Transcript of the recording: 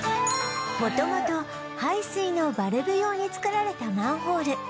元々排水のバルブ用に作られたマンホール